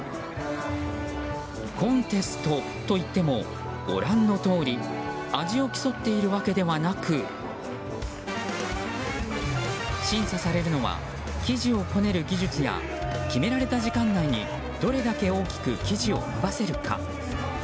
コンテストといってもご覧のとおり味を競っているわけではなく審査されるのは生地をこねる技術や決められた時間内にどれだけ大きく生地を伸ばせるか。